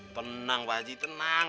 tenang pak haji tenang